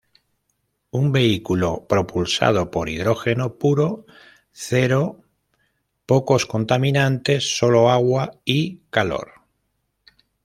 Un vehículo propulsado por hidrógeno puro cero pocos contaminantes, solo agua y calor.